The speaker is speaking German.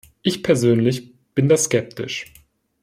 Ich persönlich bin da skeptisch.